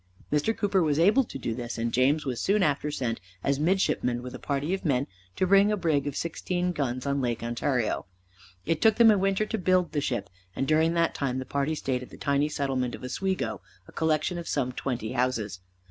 Mr. Cooper was able to do this, and James was soon after sent as midshipman with a party of men to build a brig of sixteen guns on Lake Ontario. It took them a winter to build the ship, and during that time the party stayed at the tiny settlement of Oswego, a collection of some twenty houses.